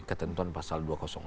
ketentuan pasal dua ratus empat